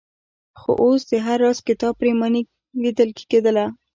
خو اوس د هر راز کتاب پرېماني لیدل کېدله.